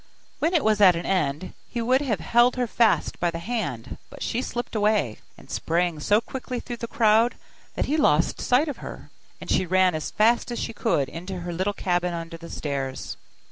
When it was at an end, he would have held her fast by the hand, but she slipped away, and sprang so quickly through the crowd that he lost sight of her: and she ran as fast as she could into her little cabin under the stairs.